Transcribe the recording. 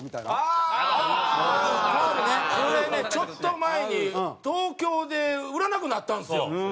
これねちょっと前に東京で売らなくなったんですよ。